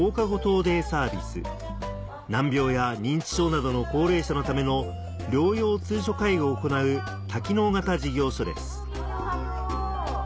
デイサービス難病や認知症などの高齢者のための療養通所介護を行う多機能型事業所です